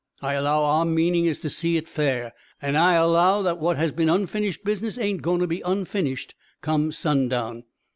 I allow our meanin' is to see hit fa'r. An' I allow that what has been unfinished business ain't goin' to be unfinished come sundown.